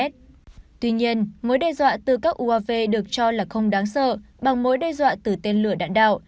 tuy nhiên mối đe dọa từ các uav được cho là không đáng sợ bằng mối đe dọa từ tên lửa đạn đạo